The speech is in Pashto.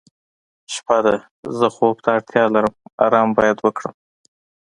شپه ده زه خوب ته اړتیا لرم آرام باید وکړم.